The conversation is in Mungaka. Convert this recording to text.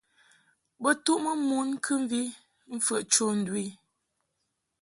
Bo tuʼmɨ mon kɨmvi mfəʼ cho ndu i.